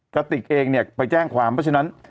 กระติกเองเนี่ยไปแจ้งความเพราะฉะนั้น